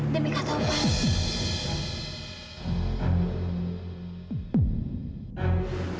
demi kak taufan